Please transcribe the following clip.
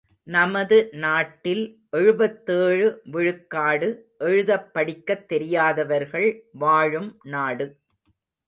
நமது நாட்டில் எழுபத்தேழு விழுக்காடு எழுதப் படிக்கத் தெரியாதவர்கள் வாழும் நாடு.